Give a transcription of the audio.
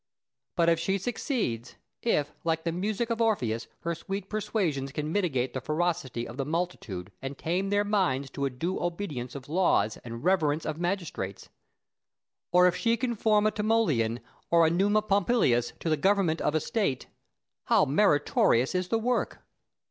But if she succeeds if, like the music of Orpheus, her sweet persuasions can mitigate the ferocity of the multitude and tame their minds to a due obedience of laws and reverence of magistrates; or if she can form a Timoleon or a Numa Pompilius to the government of a state how meritorious is the work!